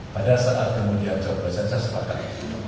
pada saat kemudian jawabannya saya sepakat